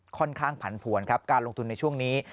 ผันผวนครับการลงทุนในช่วงนี้